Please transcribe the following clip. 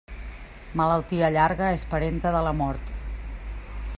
Malaltia llarga és parenta de la mort.